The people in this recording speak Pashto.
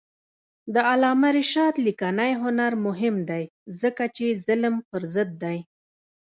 د علامه رشاد لیکنی هنر مهم دی ځکه چې ظلم پر ضد دی.